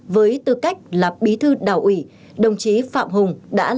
với tư cách là bí thư đảo ủy đồng chí phạm hùng đã lãnh đạo